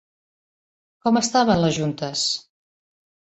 Com estaven les juntes?